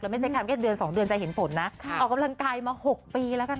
ไม่ใช่แค่เดือน๒เดือนจะเห็นผลนะออกกำลังกายมา๖ปีแล้วกัน